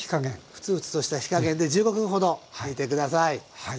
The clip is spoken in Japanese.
フツフツとした火加減で１５分ほど煮て下さい。